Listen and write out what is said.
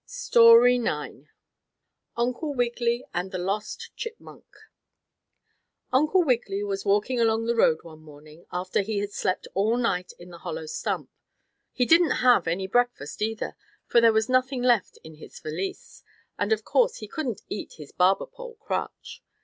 STORY IX UNCLE WIGGILY AND THE LOST CHIPMUNK Uncle Wiggily was walking along the road one morning, after he had slept all night in the hollow stump. He didn't have any breakfast either, for there was nothing left in his valise, and of course he couldn't eat his barber pole crutch.